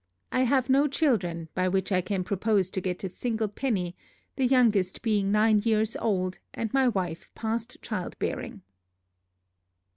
I have no children, by which I can propose to get a single penny; the youngest being nine years old, and my wife past child bearing.